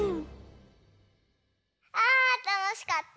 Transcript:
あたのしかった。